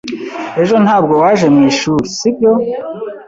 Ejo ntabwo waje mwishuri, sibyo?